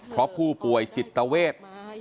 เพราะผู้ป่วยจิตเวท